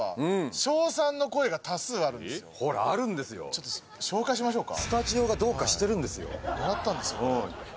ちょっと紹介しましょうか。